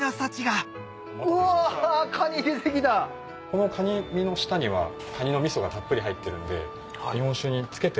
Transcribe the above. このカニ身の下にはカニのみそがたっぷり入ってるんで。